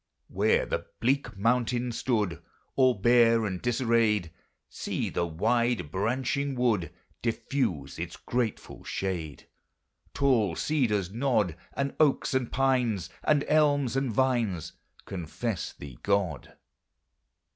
Where the bleak mountain stood All bare and disarrayed, See the wide branching wood Diffuse its grateful shade; Tall cedars nod, And oaks and pines, And elms and vines Confess thee God.